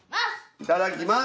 いただきます。